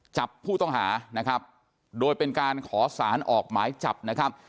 จับผู้ต้องหานะครับโดยเป็นการขอสารออกหมายจับนะครับ